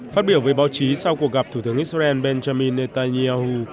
phát biểu với báo chí sau cuộc gặp thủ tướng israel benjamin netanyahu